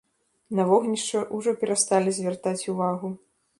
На вогнішча ўжо перасталі звяртаць увагу.